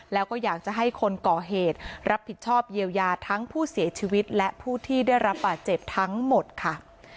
แล้วก็อยากจะให้คนก่อเหตุรับผิดชอบเยียวยาทั้งผู้เสียชีวิตและผู้ที่ได้รับบาดเจ็บทั้งหมดค่ะ